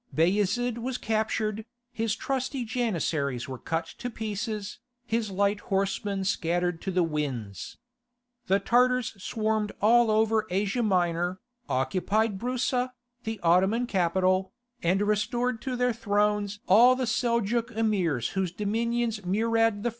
Bayezid was captured, his trusty Janissaries were cut to pieces, his light horsemen scattered to the winds. The Tartars swarmed all over Asia Minor, occupied Broussa, the Ottoman capital, and restored to their thrones all the Seljouk Emirs whose dominions Murad I.